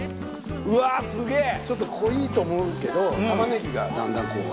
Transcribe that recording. ちょっと濃いと思うけど玉ねぎがだんだんこう。